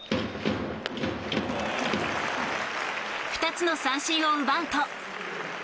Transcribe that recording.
２つの三振を奪うと。